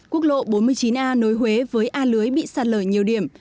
quốc lộ bốn mươi chín a nối huế với a lưới bị sạt lở nhiều điểm